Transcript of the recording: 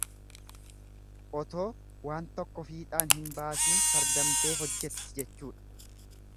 Otoo waa tokko fiixaan hin baasiin sardamtee hojjetti jechuudha.